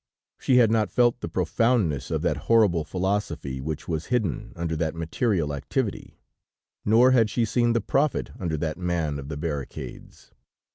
She had not felt the profoundness of that horrible philosophy which was hidden under that material activity, nor had she seen the prophet under that man of the barricades.